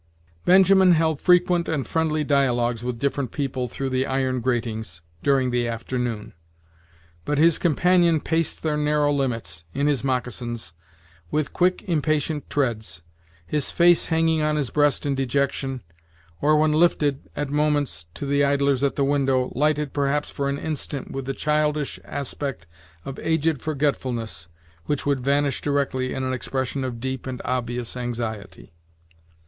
Benjamin held frequent and friendly dialogues with different people, through the iron gratings, during the afternoon; but his companion paced their narrow' limits, in his moccasins, with quick, impatient treads, his face hanging on his breast in dejection, or when lifted, at moments, to the idlers at the window, lighted, perhaps, for an instant, with the childish aspect of aged forgetfulness, which would vanish directly in an expression of deep and obvious anxiety.